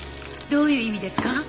どういう意味ですか？